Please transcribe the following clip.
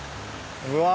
うわ。